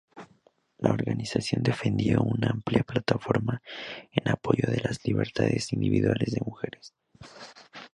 La organización defendió una amplia plataforma en apoyo de las libertades individuales de mujeres.